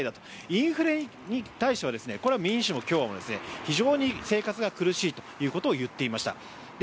インフレに対してもこれは民主も共和も非常に生活が苦しいと言っていました。